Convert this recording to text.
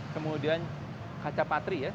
kemudian kaca patri ya